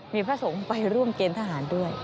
มีพระสงฆ์ไปร่วมเกณฑ์ทหารด้วย